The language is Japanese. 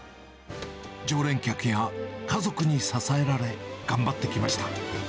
常連客や家族に支えられ頑張ってきました。